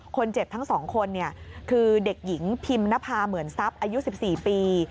คนเจ็บทั้ง๒คนคือเด็กหญิงพิมนภาเหมือนทรัพย์อายุ๑๔ปี